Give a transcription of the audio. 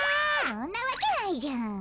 そんなわけないじゃん。